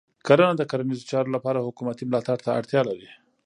کرنه د کرنیزو چارو لپاره حکومتې ملاتړ ته اړتیا لري.